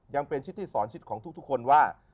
ยังเป็นชิดที่สอนชิดของทุกคนว่า